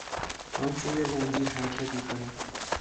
تانک روی زنجیر حرکت میکند.